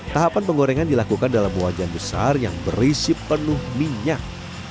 tahapan penggorengan dilakukan dalam wajan besar yang berisi penuh minyak